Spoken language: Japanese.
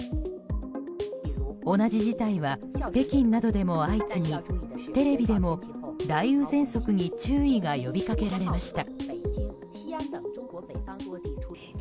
同じ事態は北京などでも相次ぎテレビでも雷雨ぜんそくに注意が呼びかけられました。